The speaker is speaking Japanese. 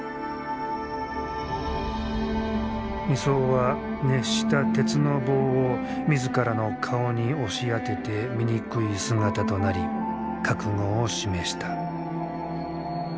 尼僧は熱した鉄の棒を自らの顔に押し当てて醜い姿となり覚悟を示した。